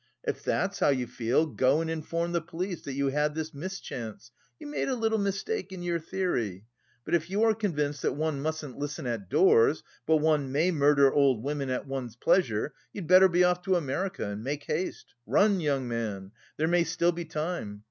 If that's how you feel, go and inform the police that you had this mischance: you made a little mistake in your theory. But if you are convinced that one mustn't listen at doors, but one may murder old women at one's pleasure, you'd better be off to America and make haste. Run, young man! There may still be time.